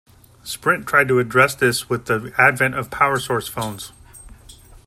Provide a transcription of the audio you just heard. Sprint tried to address this with the advent of PowerSource phones.